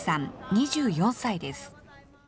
２４歳です。